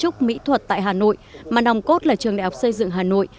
trúc mỹ thuật tại hà nội mà nồng cốt là trường đại học xây dựng hà nội